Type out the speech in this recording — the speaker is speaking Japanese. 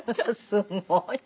すごい。